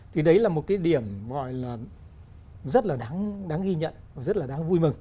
thì đấy là một cái điểm gọi là rất là đáng ghi nhận và rất là đáng vui mừng